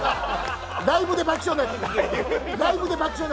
ライブで爆笑のやつ。